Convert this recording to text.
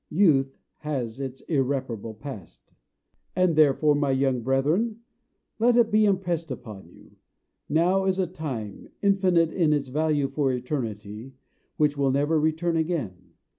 Youth has its irreparable past. And therefore, my young brethren, let it be impressed upon you, now is a time, infinite in its value for eternity, which will never return again.